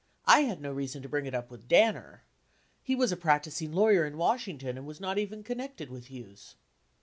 I had no reason to bring it up with Danner. He was a practicing lawyer in Washington and was not even connected with Hughes."